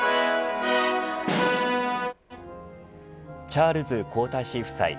チャールズ皇太子夫妻